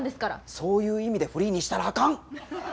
そういう意味でフリーにしたらあかん！